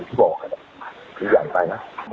สีใหญ่อยู่ทึ่ขนาดนั้น